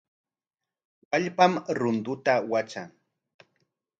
Wallpam runtuta watran.